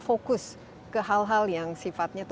fokus ke hal hal yang sifatnya